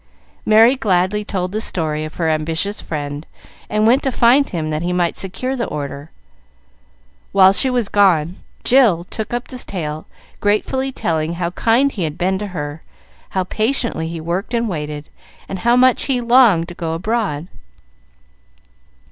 Merry gladly told the story of her ambitious friend, and went to find him, that he might secure the order. While she was gone, Jill took up the tale, gratefully telling how kind he had been to her, how patiently he worked and waited, and how much he longed to go abroad.